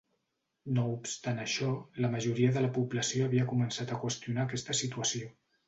No obstant això, la majoria de la població havia començat a qüestionar aquesta situació.